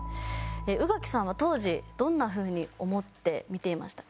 宇垣さんは当時どんな風に思って見ていましたか？